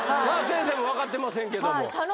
先生もわかってませんけども。